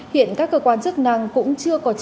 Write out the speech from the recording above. hiện các cơ quan chức năng cũng chưa có chế tài